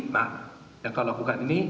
nah yang kau lakukan ini